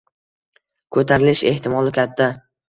Ko'tarilish ehtimoli katta